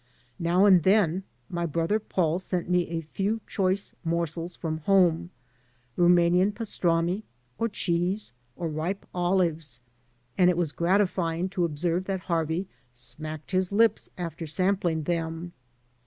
Now and then my brother Paul sent me a few choice morsels from home — Rumanian pastrama, or cheese, or ripe olives, and it was gratifying to observe that Harvey smacked his lips after sampling them.